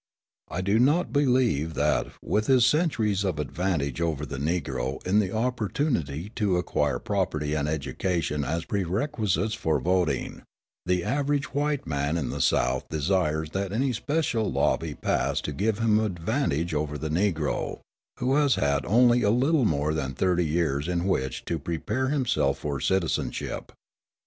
I do not believe that, with his centuries of advantage over the Negro in the opportunity to acquire property and education as prerequisites for voting, the average white man in the South desires that any special law be passed to give him advantage over the Negro, who has had only a little more than thirty years in which to prepare himself for citizenship.